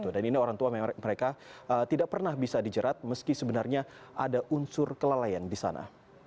dan ini orang tua mereka tidak pernah bisa dijerat meski sebenarnya ada unsur kelalaian di sana